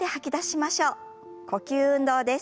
呼吸運動です。